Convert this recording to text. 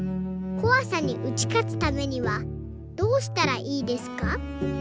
こわさに打ち勝つためにはどうしたらいいですか？」。